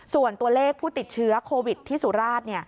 ส่วนตัวเลขผู้ติดเชื้อโควิดที่สุราช